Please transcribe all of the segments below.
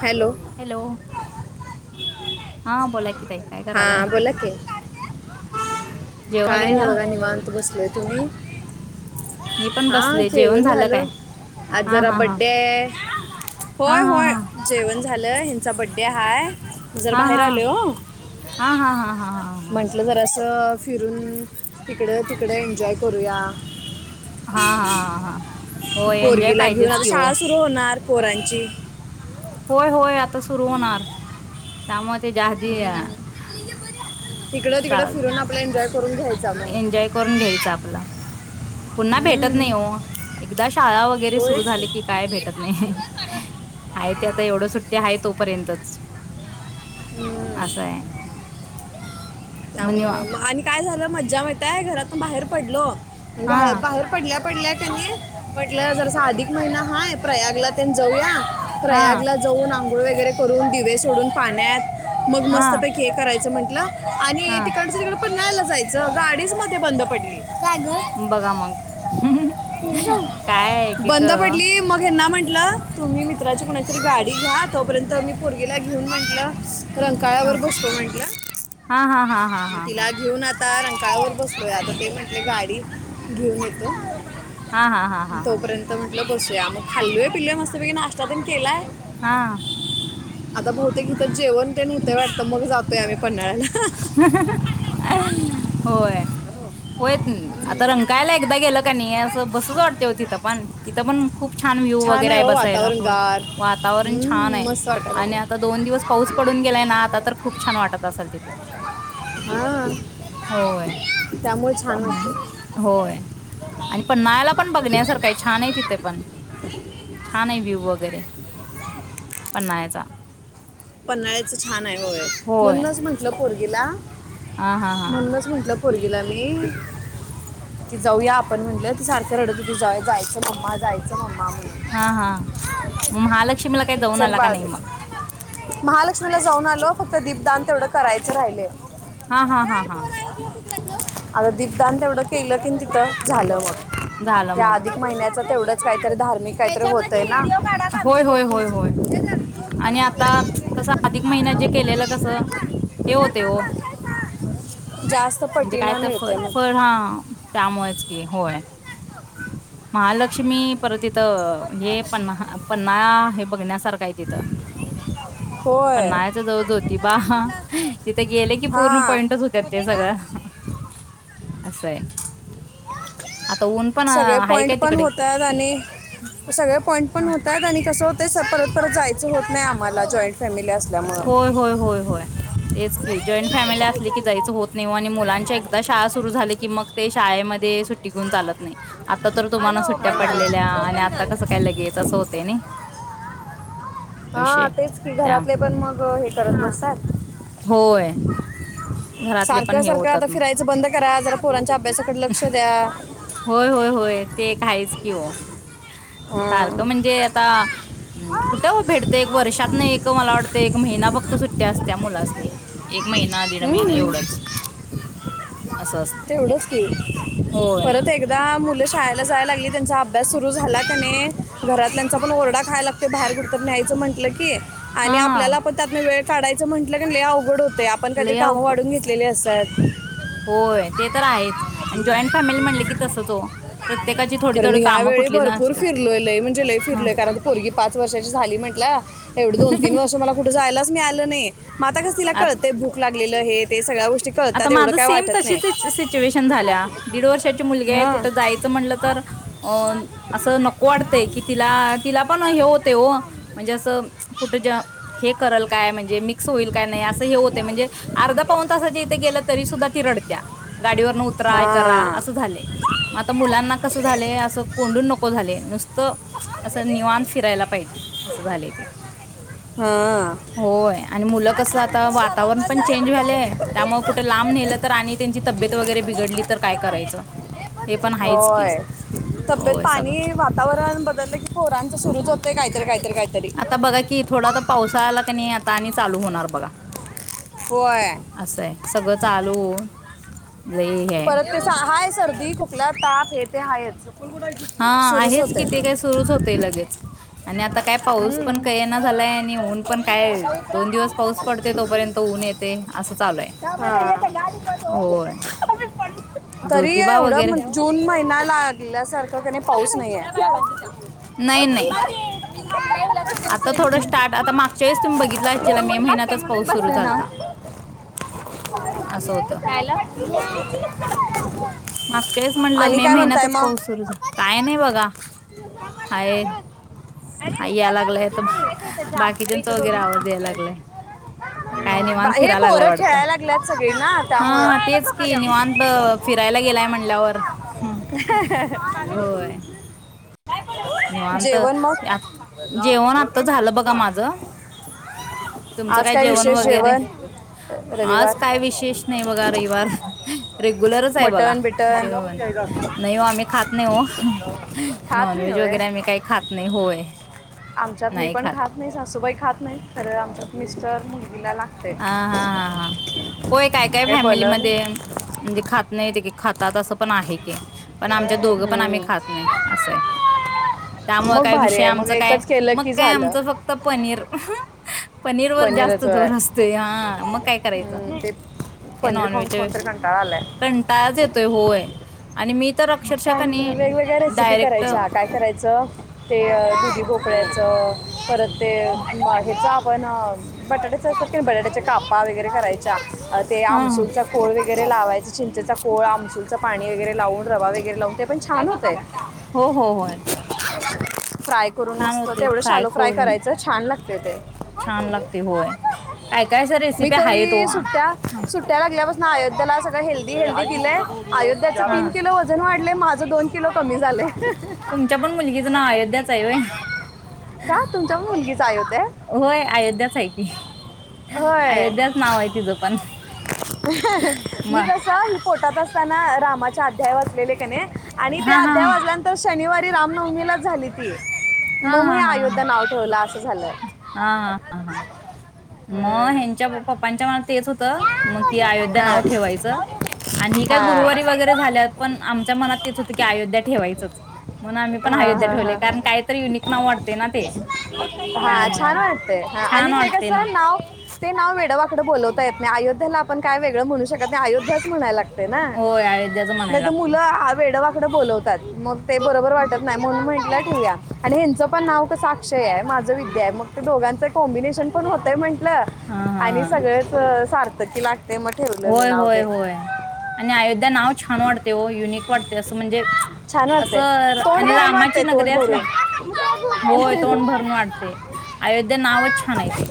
Hello hello हा बोला की ताई काय हा करायलाय बोला की जेवण काय वगैरे नाही झालं बघा निवांत बसलोय. तुम्ही मी पण हा बसले जेवण जेवन झालं झाल. काय आज हा जरा हा हा बड्डे आहे हा होय हा होय. हा जेवण झालं हेंचा बड्डे हाय. जरा हा- बाहेर हा -हा -हा -हा- हा. म्हंटलं जरा अस फिरून हिकडं तिकडं एन्जॉय करूया. हा हा हा हा होय एन्जॉय पोरगीला घेऊन पाहिजेच आता की हो शाळा सुरू होणार. पोरांची होय होय आता सुरू होणार त्यामुळे तेज्या आदी हिकडं तिकडं फिरून आपला ए्जॉय एन्जॉय करून घ्यायचा आपला पुन्हा भेटत नाही. हम्म, हो एकदा शाळा वगैरे सुरू झाली होय की काय भेटत नाही. आहे ते आता एवढ सुट्टी आहे तो पर्यंतच. अस हाय. त्यामुळं आणि का काय झालं मज्जा माहिताय घरात बाहेर पडलो हा बाहेर पडल्या पडल्या क नाही म्हटलं जरसा अधिक महिना हाय प्रयागला त्तेन जाऊया हा प्रयाग ला जाऊन आम गूळ वगैरे करून दिवे सोडून पाण्यात मग हा मस्त पैकी हे करायचं म्हण [unintelligible] आणि हा तिकडन सरीकडडे पन्हाळ्याला जायच गाडीच मध्ये बंद पडली बघा मग काय एक एक बंद अ, पडली मग हेना म्हण म्हटलं तुम्ही मित्राची कुणीतरी गाडी घ्या तोपर्यंती पोर्गेला घेऊन म्हंटलं हा रंकाळवर बसतो म्हटलं हा हा हा हा मग हा तिला घेऊन आता रंकाळावर बसलोय आता ते म्हटले गाडी घेऊन येतो हा हा हा हा हा मनल बसुया म खाललोय पिल्लोय मस्तपैकी नाश्ता तेन केलाय हा आता बहुतेक कीथ जेवण ते नव्हतय वाटतं मग जातोयम्ही पन्हाळ्याला होय होय आता रंकायला एकदा गेलं कणी असं बसच वाटते होती तिथं पण तिथं पण खूप छान व्ह्यू वगैरे आहे हो बसायला वातावरण म गार वातावरण छान हम्म, आहे मस्त वाटायला आणि आता लागलं दोन दिवस पाऊस पडून गेलाय ना आता तर खूप छान वाटत असाल तिथे हां होय त्यामुळे छान वाटतं होय आणि पन्हाळ्याला पण बघण्यासारखं छान आहे तिथे पण छान आहे व्ह्यू वगैरे पणनायचा पन्हाळ्याचं छान आहे हो होय म्हणूनच म्हटलं पर अगिला हा हा हा पोरगीला म कि जाऊया आपण म्हटलं त सारखं रडत हो जाऊ जायचं मम्मा जायचं मम्मा म्हणून हा हा मग महालक्ष्मीला काही दऊन चल आला का बाळ नाही मग महालक्ष्मीला जाऊन आलो फक्त दीपदान तेवढं करायचं राहिले हा हा हा हा आता दीपदान तेवढं केलं की तिथं झालं म झालं ते मग अधिक महिन्या तेवढंच काहीतरी धार्मिक काहीतरी होतंय ना भाडा होय बधते होय होय होय आणि लोके आता कस अधिक महिन्यात जे केलेलं कस हे होते हो जास्त म्हणजे काय पटीनं तर फ मिळते मग फळ हा त्यामुळेच की होय महालक्ष्मी पर तिथं हे पन् पन्ना हे बघण्यासारखं आहे तिथं पण होय नाहीच जऊद होती बा सांगितलं असतं तिथे गेले की पूर्ण हा पॉईंटच होत्या ते होते का सगळं अससं आहे आता ऊन पण सगळे पॉईंट काय पण तिकडे होत आहेत आणि सगळे पॉईंट पण होत आहेत आणि कसं होत सल तर जायचं होत नाही आम्हाला जॉईंट फॅमिी अस असल्या मळ एकिट जॉईंट फॅमिली असली की जायचं होत नाही आणि मुलांच्या एकदा शाळा सुरु झाली की मग ते शाळेमध्ये घून चालत नाही आता तर तुम्हाला सुट्ट्या पडलेल्या आणि आता कसं काय लगेच असं होते ना विषय त्या ग हे करत नसतात होय घरातले पण सारखं हे सारखं आता होतात मग. फिरायचं बंद करा जरा पोरांच्या अभ्यासाकडे लक्ष द्या होय होय होय ते एक आहेच की हो हा. सारखं म्हणजे आता कुठे भेटत एक वर्षात नाही मला वाटतं एक महिना फक्त सुट्ट्या अस त्या मुलासने महिना दीड महिना हम्म, एवढाच तेवढंच नाही होय. परत एक एकदा मुलं शाळेला जाय लागली. त्यांचा अभ्यास सुरू झाला त्याने घरातल्यांचा पण ओरडा खायलागतो बाहेर कुरत न्यायचं म्हटलं की, आणि हा आपल्याला पण त्यात म वेळ काढायचं म्हटलं की ल अवडतं. ते आपण काहीतरी लई कामं अवघ वाढून घेतलेली असतात. होय ते तर आहेच आणि जॉईंट फॅमिली म्हणले की तसंचो खरं मी ह्या वेळी भरपूर फरलोय लय म्हणजे लय ह फिरलोय कारण पोरगी पाच वर्षाची झाली म्हटलं एवढी दोन तीन वर्ष मला कुठं जायलाच. मी आलो नाही. माता कास तिला कळतंय भूक लागलेलं आहे. ते सगळा आता माझं सेम तशीच सिच्युएशन झाल्या दीड वर्षाची मुलगी आहे हां कुठं जायचं म्ह म्हटलं तर अ माझं अस तेवढंच नको आहे वाटतय काय की ति नाही हे तिला पण फक्त हे आम्ही होते जास्त हो म्हणजे सांगितलं असं कुठ ज हे करल काय म्हणजे मी असं होईल का नाही अस हे होते म्हणजे अर्धा पाऊण तासाची कुठे गेल तरी सुद्धा ती रडत्या गाडीवरन उतरा करा हा अस झालय आता मुलांना कस झालय अस कोंडून नको झालय [inaudible] अस निवांत फिरायला पाहिजे अस झालय ते हा होय आणि मुलं कस आता वातावरण बरं पण झालं, चेंज बरं झालंय झालं. हे त्यामुळं कुठ लांब नेलं तर आणि त्यांची तब्येत वगैरे बिघडली तर काय करायचं हे पण आहेच की हो तब्येत हे सगळं पोरांच सुरूच होतेय काहीतर काही आता बघा की थोडा जर पावसाळा आला की नाही आता आणि चालू होणार बघा. होय असं आहे सगळं चालू होऊन परत ते सा आहेच. सर्दी खुकला ताप हे ते हायच. हा सुरूच आहेच की होते ते काय सुरूच होते लगेच आणि आता आता काय पाऊस पण कळेना झालाय आणि कोण ऊन पण सोडून काय द्यायला उतरा दोन दिवस पाऊस पडते आम्हाला तोपर्यंत ऊन येते असं चालू आहे होय. तरी ज्योतिबा वगैरे एवढं जून महिना लागल्यासारखं का नाही पाऊस नाहीये. नाही नाही [inaudible] [inaudible] आता थोडं स्टार्ट आता मागच्या वेळेस तुम्ही बघितला असशील ना मे ऊन लागते महिन्यातच म्हणून पाऊस सुरू बसले ना झालता असं होत खायला मागच्या वेळेस म्हणलं आणि मे काय म्हणताय महिन्यातच पाऊस सुरु मग झा काय नाही बघा. हाय हाय याय लागलाय [inaudible] इथं जाम अरे बाकीच्यांचा इथं वगैरे दोन्ही आवाज हातानं यायला लागलाय पकडायचं काय हम्म, निवांत बा- हे फिरायला लागलाय पोरं वाटत खेळायला लागल्यात सगळी ना त्यामुळं हा डोळ्याला तेच धोका कि द्यावा निवांत फिरायला गेलाय म्हणल्यावर होय. निवांत जेवण मग जेवण आता झालं बघा माझ तुमचं आज काय जेवण विशेष वगैरे जेवण आज रविवार काय विशेष नाही बघा रविवार रेग्युलरच आहे बघा मटण बिटन जेवण नाही हो आम्ही खात नाही हो. खात नाही नॉनव्हेज व्हय वगैरे आम्ही काही खात नाही होय आमच्यात मी पण खात नाही सासूबाई खात नाही खर आमच्यात मिस्टर मुलगी त्याला हा हा हा हा होय काय काय फॅमिलीमध्ये म्हणजे खात नाही एकेक खातात असं पण आहे घे पण आमच्यात दोघं पण आम्ही हम्म. खात नाही असंय त्यामुळे मग काय भारी विषय आहे मग आमचं काय एकच केलं मग की काय झालं आमचं फक्त पनीर पनीर वर जास्त पनीरच होय जोर असत. हा मग काय करायचं हम्म, ते त्या पनीर खाऊन नॉनव्हेजच्या खाऊन तर [unintelligible] कंटाळा आलाय कंटाळाच येतोय होय. आणि मी तर अक्षरशः काय म्हर कणी वेगवेगळ्या रेसिपी डायरेक्ट करायच्या काय करायचं ते दुधी भोकळ्याचं परत ते ह्याचा आपण बटाट्याच अस बटाट्याच्या कापा वगैरे करायच्या ते हा आमसूलचा खोळ वगैरे लावायचा चिंचेचा कोळ आमसूलं पाणी वगैरे लावून रवा वगैरे वगैर लावून ते पण छान होतय. हो हो होय फ्राय करून छान मस्त होते तेवढं शालो फ्राय करून करायचं छान लागतय. ते छान लागते होय काय काय सर मी रेसिपी आहेत ओ तरी सुट्ट्या सुट्ट्या लागल्यापासून अयोध्येला सगळं हे [unintelligible] अयोध्याचा तीन हा किलो वजन वाढलय माझ दोन किलो कमी झालय. तुमच्या पण मुलगीचं नाव अयोध्याच आहे होय का तुमच्या मुलगीचा अयोध्या आहे? होय अयोध्याच आहे की होय अयोध्याच नाव आहे तिचं पण म रामाच्या अध्यायावर लेले कनी आणि ते हा हा अध्याय वाचल्यानंतर शनिवारी रामनवमीला झाली ती हा हा मग मग हा ह हा अयोध्या नाव ठेवलं अस झालं हा हा हा मग हम्म. ह्याच्या पप्पांच्या मनात तेच होत मग की अयोध्या हां नाव ठेवायचं आणि आणि ही हा काही हा गुरुवारी वगैरे झालीया पण मनात तेच होतं की अयोध्या ठेवायंच. हा हा हा हा युनिक नाव वाटते ना ते हा त्यामुळे छान वाटतय आणि छान ते कस वाटते ना नाव ते नाव वेड वाकड बोलवता येत नाही. अयोध्येला आपण काय वेगळं म्हणू शकत नाही. अयोध्याच म्हणायला लागत. है ना, होय अयोध्याच म्हणायला नाही तर लागते मुलं वेड वाकड बोलवतात मग ते बरोबर वा वाटत नाही म्हनून म्हटल ठेवूया. आणि ह्याचं पण नाव कस अक्षय आहे माझ विद्या आहे मग दोघांच कॉम्बिनेशन पण होतय म्ह टल हा आणि हा सगळच सारख [unintelligible] होय होय होय आणि अयोध्या नाव छान वाटतय ओ युनिक वाटतय असं म्हणजे छान वाटतंय असं तोंड आणि भरून रामाची वाटतंय नगरी तोंड असल्या, होय तोंड भरून भरून वाटतय. अयोध्या नावच छान आहे ते.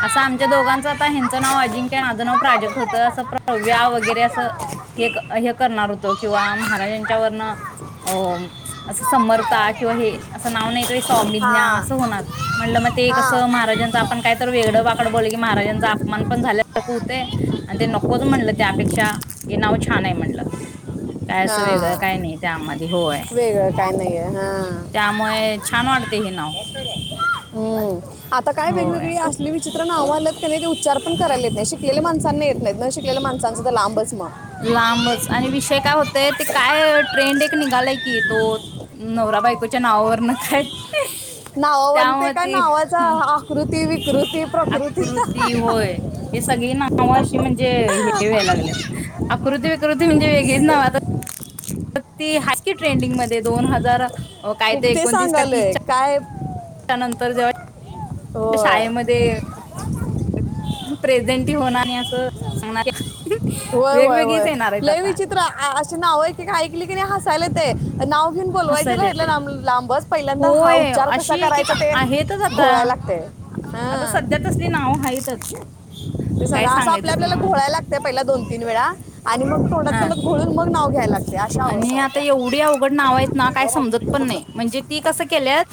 असं आमच्या दोघांचं आता ह्याचं नाव अजिंक्य माझं नाव [unintelligible] अस प्रव्या वगरे अस हे करनार होतो किंवा महारा ह्याच्यावरन अस समर्था किंवा हे असं नाव नाहीतर स्वामीज्ञा हा असं होणार म्हटलं मग ते हा कसं महाराजांच आपण कायतरी वेड वाकड बोलले की महाराजांचा अपमान पण झाल्या ते आणि ते नकोच म्हणलं त्यापेक्षा हे नाव छान आहे म्हणलं. काय असं वेगळं हा काय नाही त्यामध्ये होय. वेगळं काय नाहीये हा त्यामुळे छान वाटते हे नाव. हम्म आता काय होय वेगवेगळी असली विचित्र नाव आलेत की नाही ते उच्चार पण करायला येत नाही. शिकलेल्या माणसांना येत नाही न शिकलेल्या माणसांचं लांबच म लांबच. आणि विषय काय होतय ते काय अह ट्रेंड निघालाय की तो नवरा बायकोच्या नावावरन काय नावावरून ते काय नावाचा आकृत ती विकृत आकृती होय हे सगळी नावं अशी म्हणजे हे व्हायला लागलेत. आकृती विकृती म्हणजे वेगळीच नाव आता मग ते आहेत की ट्रेंडिंगमध्ये ते दोन हजार काय खूप ते एकोणतीस का सांगालोय काय तीसच्या नंतर जेव्हा शाळेमध्ये हो प्रेझेंटी होणार नाही असं सांगणार आहे व्हय व्हय व्हय, लय विचित्र अशी नाव आहे की काय ऐकली कि नाय हसायला येतंय. नाव घेऊन बोलवायचं हसायला राहिलं येतंय लांब लांबच, पहिल्यांदा हा होय उच्चार अशी कसा एक एक करायचा ते आहेतच आता. घोळायला लागते. आता हा सध्या तसली नाव आहेतच ते सगळ काय असं आपल्या सांगायचं आपल्याला तुम्हाला. घोळायला लागतय. या दोन-तीन वेळा आणि मग तोंडात हा तोंडात घोळून मग नाव घ्यायला लागते अशा आणि अवस्था आता होत्या एवढी अवघड नाव आहेत ना, काय समजत पण नाही. म्हणजे ती कसं केल्यात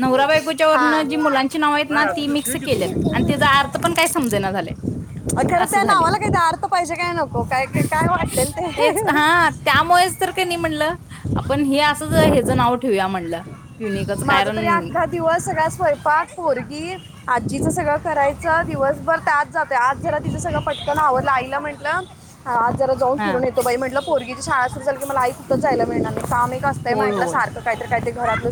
नवरा बायकोच्या वरन हा जी मुलांची नाव आहेत नाही ना आता ती तू मिक्स शिक की केल्यात तू आणि त्याचा अर्थ पण काय समजेना झालाय खरं अस त्या झालय. नावाला काही अर्थ पाहिजे काय नको काय ते काय वाटेल ते. नंतर काही नाही म्हणलं आपण हे असंच आहे. नाव ठेवूया म्हणलं. युनिकच माझा कारण तरी आख्खा दिवस सगळा स्वयंपाक पोरगी आ. जिचं सगळं करायचं दिवसभर त्यात जातय. आज जरा तिचं सगळं पटकन आवरलं आईला म्हंटलं, हा आज जरा जाऊन हा फिरून येतो बाई म्हटलं. पोरगी शाळा असेली मला [unintelligible] कुठे जायला मिळणार नाही. हा मीच असते होय म्हटलं होय सारख काहीतरी काहीतरी ब [unintelligible]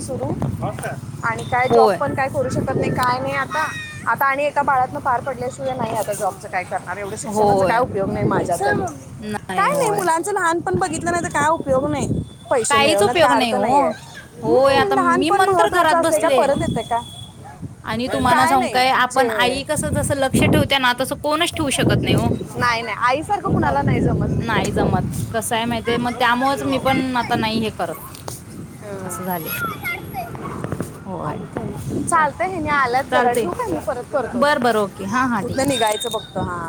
आणि काय जॉब होय पण काय करू शकत. नाही काय नाही आता आता आणि एकदा बाळातन पार पडल्याशिवाय नाही आता जॉबच काय करणार एवढं शिक्षणाचा काय होय उपयोग नाही माझ्यातर, काय नाही मुलांच लहान पण बघितलं नाय तर काय उपयोग उपयोग नाही. पैसे काहीच मिळवण त्या उपयोग नाही अर्थ हो. नाहीय. होय आता मी मंतर घरात बसले परत येते का आणि तुम्हाला काय सांग हो नाही होय मी म्हण तर घरात बसले, आणि तुम्हाला सांगू काय जे आपण आई कस जसं लक्ष ठेवत ना तसं कोणच ठेवू शकत नाही हो, नाही नाही आईसारखं कुणाला नाही जमत नाही जमत कसंय माहिितय मग त्यामुळेच मी पण करत अस. चाल चालतं हे म आल्याच घरा चालते ठे का मी परत करतो बर बर ओके हां हां ठीक. कुठलं निघायचं बघ. तरहाहा.